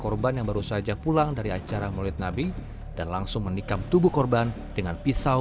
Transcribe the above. korban yang baru saja pulang dari acara mulid nabi dan langsung menikam tubuh korban dengan pisau